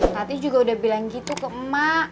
hati juga udah bilang gitu ke emak